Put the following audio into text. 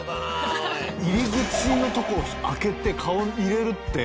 入り口のとこを開けて顔入れるって。